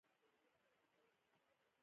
کلیوالو احمد پوليسو ته په لاس ورکړ.